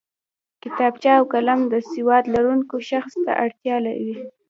کتابچه او قلم د سواد لرونکی شخص اړتیا وي